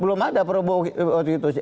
belum ada prabowo waktu itu